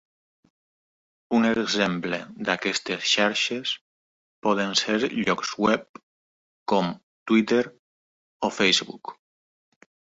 Un exemple d'aquestes xarxes poden ser llocs web com Twitter o Facebook.